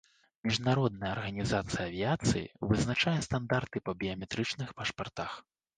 Міжнародная арганізацыя авіяцыі вызначае стандарты па біяметрычных пашпартах.